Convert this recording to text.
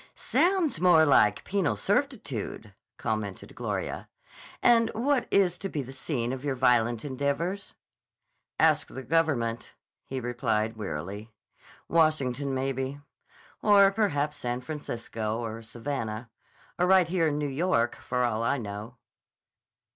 "Sounds more like penal servitude," commented Gloria. "And what is to be the scene of your violent endeavors?" "Ask the Government," he replied wearily. "Washington, maybe. Or perhaps San Francisco or Savannah. Or right here in New York, for all I know."